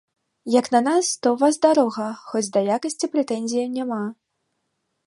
Як на нас, то ў вас дорага, хоць да якасці прэтэнзіяў няма.